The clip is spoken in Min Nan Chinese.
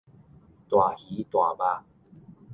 大魚大肉